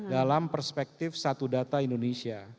dalam perspektif satu data indonesia